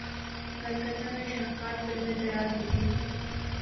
کلکتہ میں شاہکار فلمیں تیار ہوتیں۔